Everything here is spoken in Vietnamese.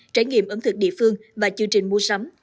trải nghiệm ẩn thực địa phương và chương trình mua sắm